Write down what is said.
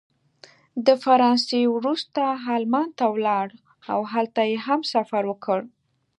د فرانسې وروسته المان ته ولاړ او هلته یې هم سفر وکړ.